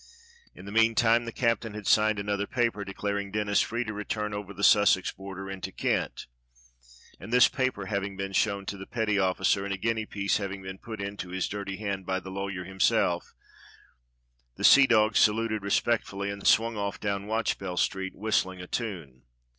In the mean time the captain had signed another paper declaring Denis free to return over the Sussex border into Kent, and this paper having been shown to the petty officer and a guinea piece having been put into his dirty hand by the lawyer himself, the seadog saluted respectfully and swung off down Watchbell Street whistling a tune.